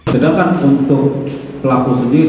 sedangkan untuk pelaku sendiri